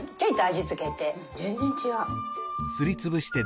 全然違う。